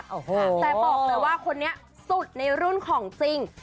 แต่บอกเลยว่าคนนี้สุดในรุ่นของจริง